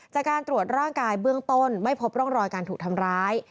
จากการตรวจร่างกายเบื้องต้นไม่พบร่องรอยการถูกทำร้าย